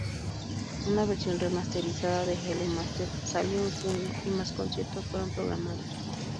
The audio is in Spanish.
Una versión remasterizada de Hello Master salió en junio, y más conciertos fueron programados.